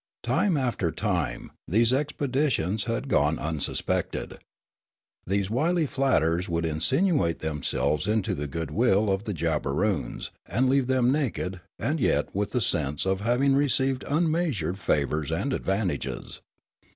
Time after time these expeditions had gone unsuspected. These wily flatterers would insinuate themselves into the good will of the Jabberoons and leave them naked, and yet with the sense of having received unmeasured favours and advantages.